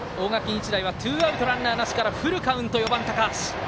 日大はツーアウト、ランナーなしからフルカウント、４番、高橋。